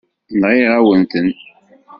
Nɣiɣ-awen-ten.